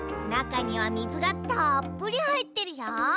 なかにはみずがたっぷりはいってるよ。